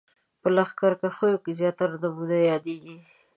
په لښکرکښیو کې زیاتره نوم یادېږي.